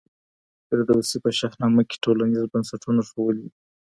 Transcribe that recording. فردوسي په شاهنامه کي ټولنیز بنسټونه ښودلي دي.